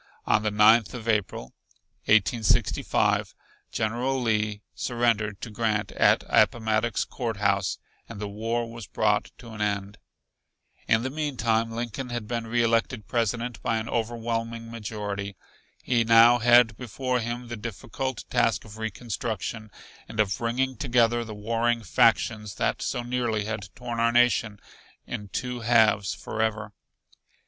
On the Ninth of April, 1865, General Lee surrendered to Grant at Appomattox Court House and the war was brought to an end. In the meantime Lincoln had been reelected President by an overwhelming majority. He now had before him the difficult task of reconstruction, and of bringing together the warring factions that so nearly had torn our nation in two halves forever.